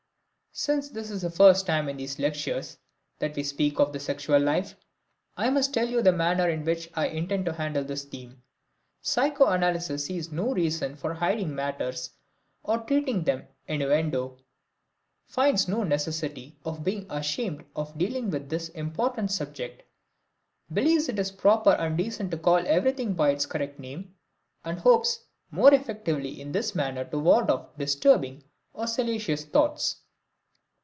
Since this is the first time in these lectures that we speak of the sexual life, I must tell you the manner in which I intend to handle this theme. Psychoanalysis sees no reason for hiding matters or treating them by innuendo, finds no necessity of being ashamed of dealing with this important subject, believes it is proper and decent to call everything by its correct name, and hopes most effectively in this manner to ward off disturbing or salacious thoughts.